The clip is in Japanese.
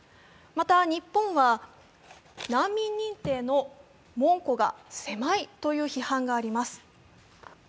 また日本は難民認定の門戸が狭いという批判があります。